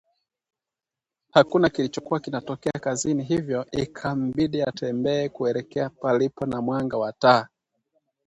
Hakuna kilichokuwa kinatokea kizani hivyo ikambidi atembee kuelekea palipo na mwanga wa taa